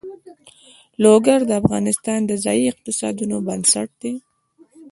لوگر د افغانستان د ځایي اقتصادونو بنسټ دی.